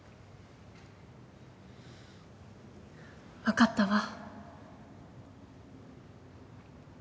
分かったわ。